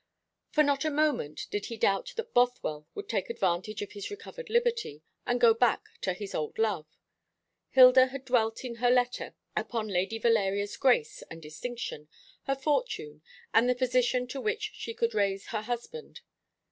For not a moment did he doubt that Bothwell would take advantage of his recovered liberty, and go back to his old love. Hilda had dwelt in her letter upon Lady Valeria's grace and distinction, her fortune, and the position to which she could raise her husband.